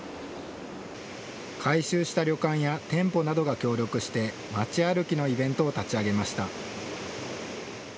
改修した旅館や店舗などが協力して、町歩きのイベントを立ち上げました。